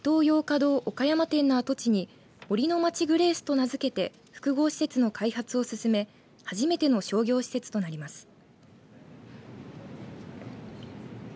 ヨーカドー岡山店の跡地に杜の街グレースと名づけて複合施設の開発をすすめ初めての商業施設となります。